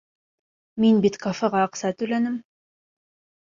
Мин бит кафеға аҡса түләнем.